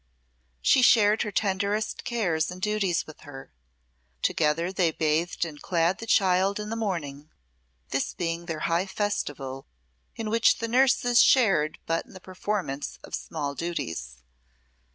She shared her tenderest cares and duties with her. Together they bathed and clad the child in the morning, this being their high festival, in which the nurses shared but in the performance of small duties.